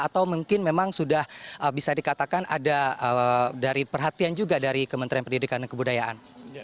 atau mungkin memang sudah bisa dikatakan ada dari perhatian juga dari kementerian pendidikan dan kebudayaan